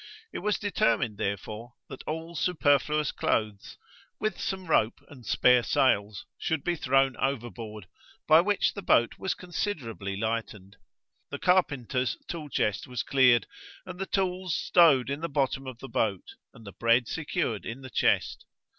It was determined, therefore, that all superfluous clothes, with some rope and spare sails, should be thrown overboard, by which the boat was considerably lightened. The carpenter's tool chest was cleared, and the tools stowed in the bottom of the boat, and the bread secured in the chest.